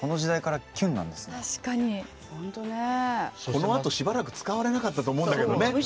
このあとしばらく使われなかったと思うんだけどね。